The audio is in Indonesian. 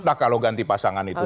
nah kalau ganti pasangan itu